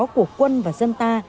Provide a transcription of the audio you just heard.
của quân và dân ta